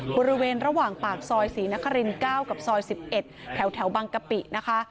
บริเวณระหว่างปากซอยศรีนคริน๙กับซอย๑๑แถวบางกะปินะคะ